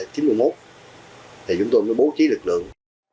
thì chúng tôi mới bố trí lực lượng